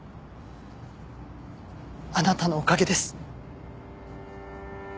あなたのおかげです。